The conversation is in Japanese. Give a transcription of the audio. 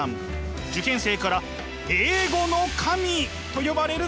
受験生から英語の神と呼ばれる講師だ。